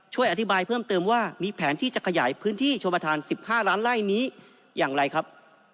ช่วยอธิบายเพิ่มเติมว่ามีแผนที่จะขยายพื้นที่ชมประธาน๑๕ล้านไล่นี้อย่างไรครับ